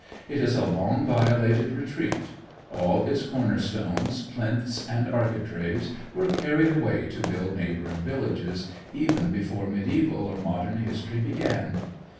It is a long violated retreat; all its corner stones, plinths, and architraves were carried away to build neighbouring villages even before mediaeval or modern history began.